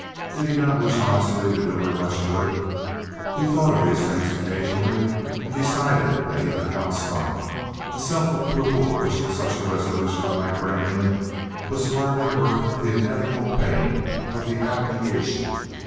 Did he not wish honestly to do her much good? He thought of these things occasionally, and decided that he could not stop. The self approval which such a resolution might bring him was hardly worth the inevitable pain of the abnegation.